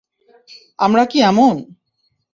আমরা কি এমন?